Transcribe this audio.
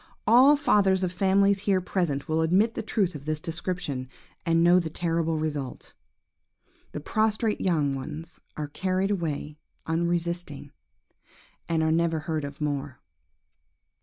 All fathers of families here present will admit the truth of this description, and know the terrible result. The prostrate young ones are carried away unresisting, and are never heard of more.